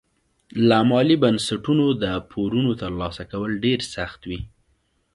له مالي بنسټونو د پورونو ترلاسه کول ډېر سخت وي.